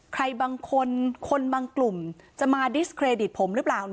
ใครบางคนคนบางกลุ่มจะมาดิสเครดิตผมหรือเปล่า